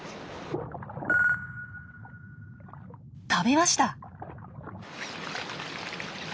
食べました！